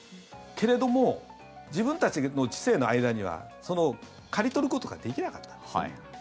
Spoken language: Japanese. けれども自分たちの治世の間には刈り取ることができなかったんですね。